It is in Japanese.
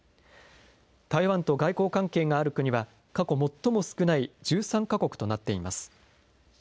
台湾と外交関係がある国は、過去最も少ない１３か国となっています。